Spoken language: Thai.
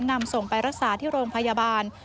นำส่งไปรักษาที่โรงพยาบาล